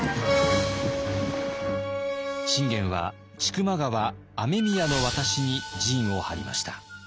信玄は千曲川雨宮の渡しに陣を張りました。